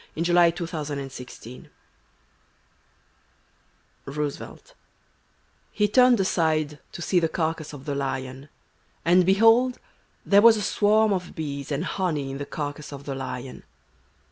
|}122| THE REVEALER THE REVEALER (ROOSEVELT) He turned aside to see the carcase of the lion: and behold* there was a swarm of bees and honey in the carcase of the lion